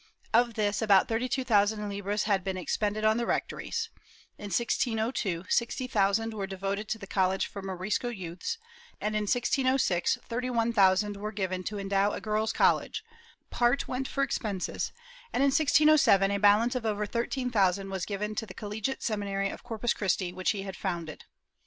Of this about thirty two thousand libras had been expended on the rectories; in 1602, sixty thousand were devoted to the college for Morisco youths and, in 1606, thirty one thousand were given to endow a girl's college; part went for expenses and, in 1607, a balance of over thirteen thousand was given to the Collegiate Seminary of Corpus Christi which he had founded.